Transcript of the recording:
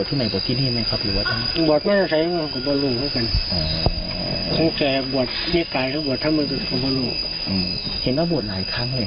เห็นในยูทูปนี้อย่างพอแล้วว่าบวชมา๘ครั้งเลย